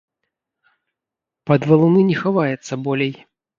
Пад валуны не хаваецца болей.